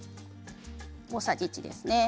大さじ１です。